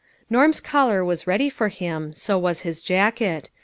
Norm's collar was ready for him, so was his jacket.